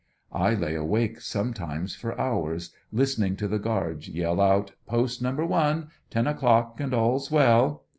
I lay awake sometimes for hours, listening to the guards yell out "Post number one; ten o'clock and all's well!"